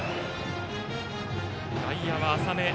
外野は浅め。